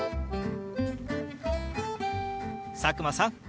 佐久間さん